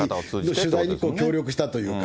取材に協力したというか。